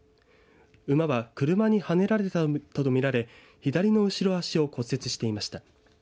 馬は車にはねられたと見られ左の後ろ足を骨折していました。